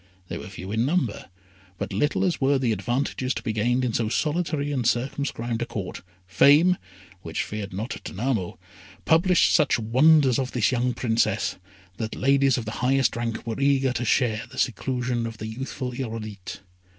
They were few in number, but little as were the advantages to be gained in so solitary and circumscribed a Court, Fame, which feared not Danamo, published such wonders of this young Princess, that ladies of the highest rank were eager to share the seclusion of the youthful Irolite.